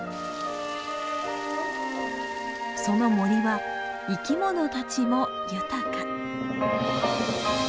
その森は生きものたちも豊か。